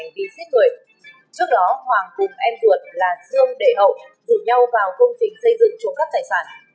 trước đó hoàng cùng em tuột là dương đệ hậu dự nhau vào công trình xây dựng chuồng cắt tài sản